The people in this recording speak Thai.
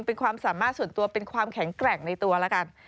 เป็นความสามารถส่วนตัวเป็นความแข็งแกร่งในตัวแล้วกัน